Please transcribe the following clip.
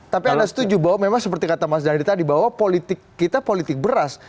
tapi anda setuju bahwa memang seperti kata mas dhani tadi bahwa politik kita politik beras